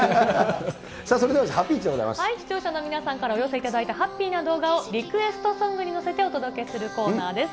さあ、視聴者の皆さんからお寄せいただいたハッピーな動画を、リクエストソングに乗せて、お届けするコーナーです。